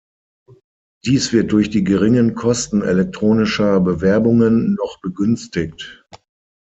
Dies wird durch die geringen Kosten elektronischer Bewerbungen noch begünstigt.